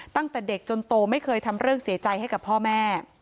ตั้งแต่เด็กจนโตไม่เคยทำเรื่องเสียใจให้กับพ่อแม่